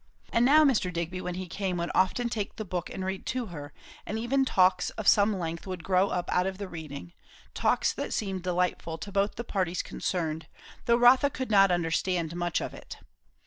And now Mr. Digby when he came would often take the book and read to her; and even talks of some length would grow up out of the reading; talks that seemed delightful to both the parties concerned, though Rotha could not understand much of it.